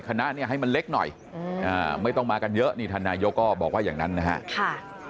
คณะเนี่ยให้มันเล็กหน่อยไม่ต้องมากันเยอะนี่ท่านนายกก็บอกว่าอย่างนั้นนะครับ